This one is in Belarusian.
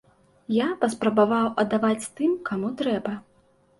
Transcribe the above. Я паспрабаваў аддаваць тым, каму трэба.